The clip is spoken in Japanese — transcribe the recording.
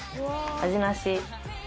味なし。